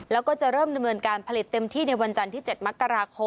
แล้วก็จะเริ่มดำเนินการผลิตเต็มที่ในวันจันทร์ที่๗มกราคม